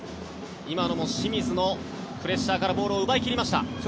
今のも清水のプレッシャーからボールを奪い切りました。